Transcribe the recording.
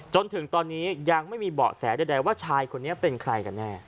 จนถึงตอนนี้ยังไม่มีเบาะแสใดว่าชายคนนี้เป็นใครกันแน่